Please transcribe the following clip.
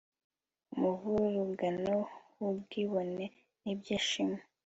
Umuvurungano wubwibone nibyishimo